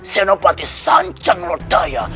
senopati sancang lodaya